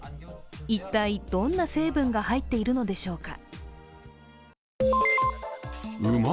一体、どんな成分が入っているのでしょうか。